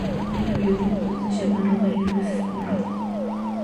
El avión fue entonces llamado varias veces por radio.